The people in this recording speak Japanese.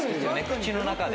口の中で。